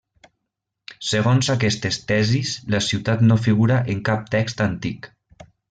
Segons aquestes tesis la ciutat no figura en cap text antic.